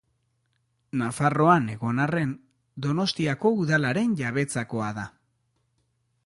Nafarroan egon arren, Donostiako Udalaren jabetzakoa da.